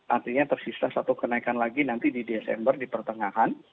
artinya tersisa satu kenaikan lagi nanti di desember di pertengahan